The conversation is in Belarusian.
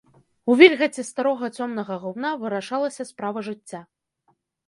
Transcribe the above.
У вільгаці старога цёмнага гумна вырашалася справа жыцця.